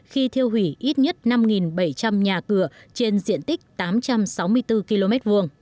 khi thiêu hủy ít nhất năm bảy trăm linh nhà cửa trên diện tích tám trăm sáu mươi bốn km hai